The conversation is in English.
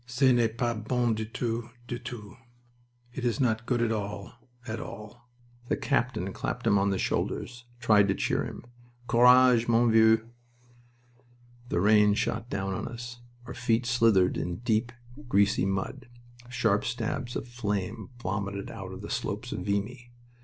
"Ce n'est pas bon du tout, du tout!" ("It is not good at all, at all!") The captain clapped him on the shoulders, tried to cheer him. "Courage, mon vieux!" The rain shot down on us. Our feet slithered in deep, greasy mud. Sharp stabs of flame vomited out of the slopes of Vimy.